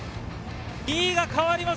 ２位が変わります。